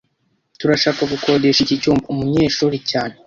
Turashaka gukodesha iki cyumba umunyeshuri cyane